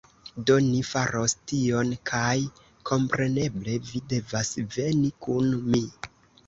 Do, ni faros tion kaj kompreneble vi devas veni kun mi